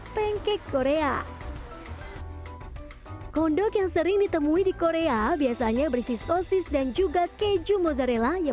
pancake korea kondok yang sering ditemui di korea biasanya berisi sosis dan juga keju mozzarella yang